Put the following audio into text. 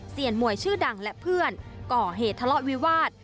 มวยชื่อดังและเพื่อนก่อเหตุทะเลาะวิวาส